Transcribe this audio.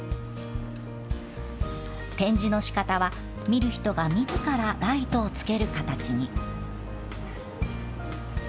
展示のしかたは、見る人がみずからライトをつける形に。